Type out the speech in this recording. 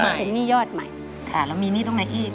ค่ะแล้วมีหนี้ตรงไหนอีก